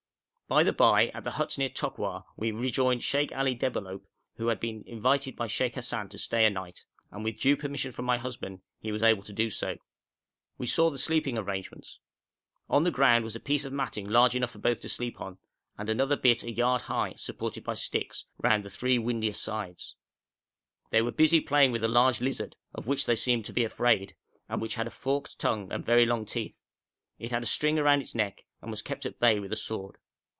By the by, at the huts near Tokwar we rejoined Sheikh Ali Debalohp, who had been invited by Sheikh Hassan to stay a night, and with due permission from my husband he was able to do so. We saw the sleeping arrangements. On the ground was a piece of matting large enough for both to sleep on, and another bit a yard high, supported by sticks, round the three windiest sides. They were busy playing with a large lizard, of which they seemed to be afraid, and which had a forked tongue and very long teeth. It had a string round its neck, and was kept at bay with a sword.